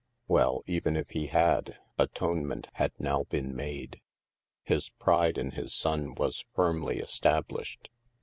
Well, even if he had, atonement had now been 322 THE MASK made. His pride in his son was firmly established.